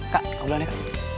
kak kamu dulu aja